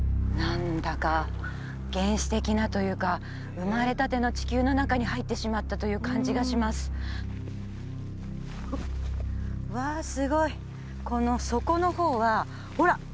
何だか原始的なというか生まれたての地球の中に入ってしまったという感じがしますわすごいこの底の方はほら！